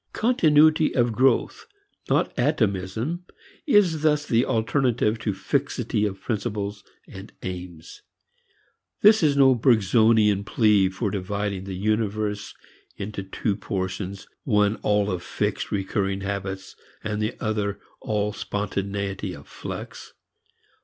Continuity of growth not atomism is thus the alternative to fixity of principles and aims. This is no Bergsonian plea for dividing the universe into two portions, one all of fixed, recurrent habits, and the other all spontaneity of flux.